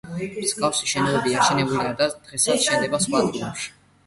მსგავსი შენობები აშენებულა და დღესაც შენდება სხვა ადგილებში.